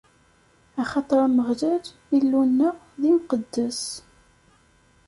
Axaṭer Ameɣlal, Illu-nneɣ, d imqeddes!